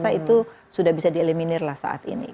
saya itu sudah bisa dieliminir lah saat ini